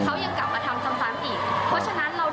เขายังกลับมาทำซ้ำอีก